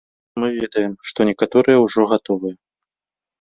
Мы ведаем, што некаторыя ўжо гатовыя.